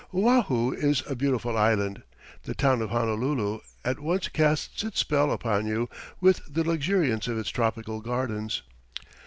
Oahu is a beautiful island, and the town of Honolulu at once casts its spell upon you, with the luxuriance of its tropical gardens.